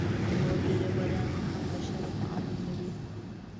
نور ډریوران یې هم له شره په امن نه وي.